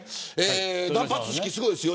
断髪式すごいですよ。